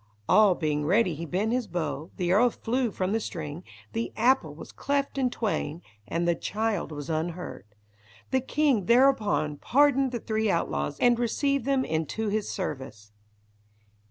All being ready he bent his bow, the arrow flew from the string, the apple was cleft in twain, and the child was unhurt. The king thereupon pardoned the three outlaws and received them into his service.